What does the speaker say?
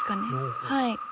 はい。